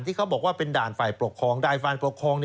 เขาบอกว่าเป็นด่านฝ่ายปกครองด่านฝ่ายปกครอง